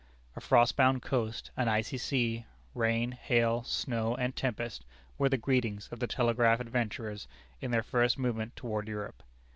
A frost bound coast, an icy sea, rain, hail, snow and tempest, were the greetings of the telegraph adventurers in their first movement toward Europe.